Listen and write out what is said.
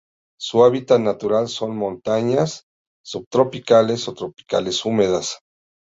Su hábitat natural son montañas subtropicales o tropicales húmedas.